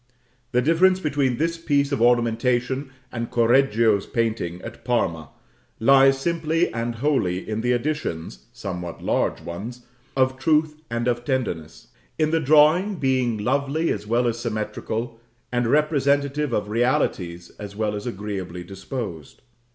The difference between this piece of ornamentation and Correggio's painting at Parma lies simply and wholly in the additions (somewhat large ones), of truth and of tenderness: in the drawing being lovely as well as symmetrical and representative of realities as well as agreeably disposed.